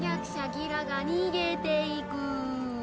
ギラが逃げていくー。